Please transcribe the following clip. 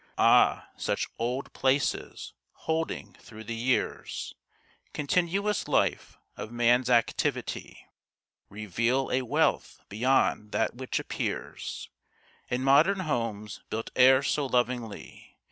Ah, such old places, holding through the years Continuous life of man's activity, Reveal a wealth beyond that which appears In modern homes built e'er so lovingly.